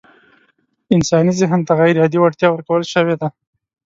انساني ذهن ته غيرعادي وړتيا ورکول شوې ده.